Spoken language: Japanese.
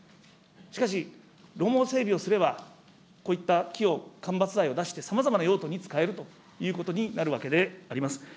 しかし、路網整備をすれば、こういった木を、間伐材を出して、さまざまな用途に使えるということになるわけであります。